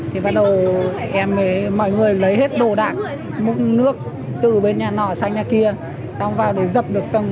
thì bắt đầu em với mọi người lấy hết đồ đạc múc nước từ bên nhà nọ sang nhà kia xong vào để dập được tầng một